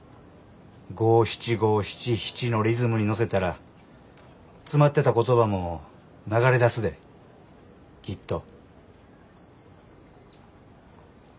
五七五七七のリズムに乗せたら詰まってた言葉も流れ出すできっと。